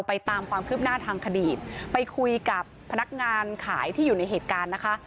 ตามความคืบหน้าทางคดีไปคุยกับพนักงานขายที่อยู่ในเหตุการณ์นะคะ